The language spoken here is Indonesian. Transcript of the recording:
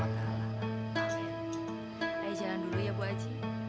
ayo jalan dulu ya bu aji